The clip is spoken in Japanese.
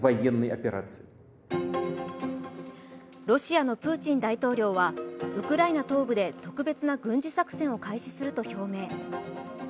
ロシアのプーチン大統領はウクライナ東部で特別な軍事作戦を開始すると表明。